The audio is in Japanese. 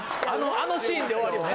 あのシーンで終わるよね。